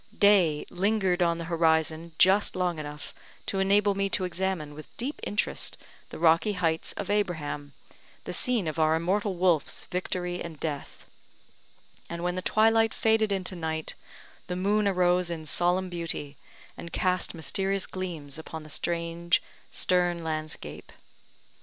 Day lingered on the horizon just long enough to enable me to examine, with deep interest, the rocky heights of Abraham, the scene of our immortal Wolfe's victory and death; and when the twilight faded into night, the moon arose in solemn beauty, and cast mysterious gleams upon the strange stern landscape.